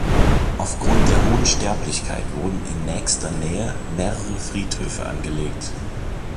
Auf Grund der hohen Sterblichkeit wurden in nächster Nähe mehrere Friedhöfe angelegt.